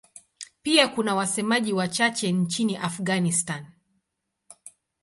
Pia kuna wasemaji wachache nchini Afghanistan.